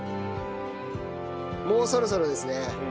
もうそろそろですね。